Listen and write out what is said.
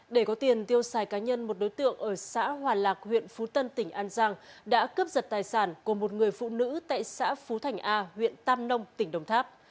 để có tiền tiêu xài cá nhân một đối tượng ở xã hòa lạc huyện phú tân tỉnh an giang đã cướp giật tài sản của một người phụ nữ tại xã phú thành a huyện tam nông tỉnh đồng tháp